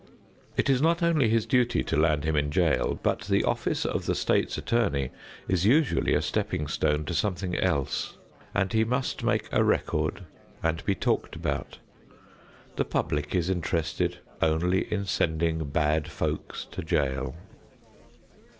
It is not only his duty to land him in jail, but the office of the State's Attorney is usually a stepping stone to something else, and he must make a record and be talked about. The public is interested only in sending bad folks to jail.